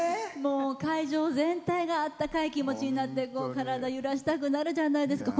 会場全体があったかい気持ちになって体揺らしたくなるじゃないですか。